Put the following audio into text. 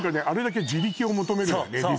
あれだけ自力を求めるのよね